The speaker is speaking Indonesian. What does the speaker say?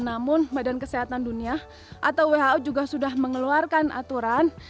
namun badan kesehatan dunia atau who juga sudah mengeluarkan aturan